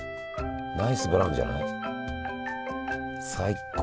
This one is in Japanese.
ナイスブラウンじゃない？最高。